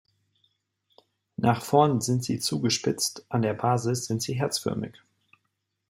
Nach vorn sind sie zugespitzt, an der Basis sind sie herzförmig.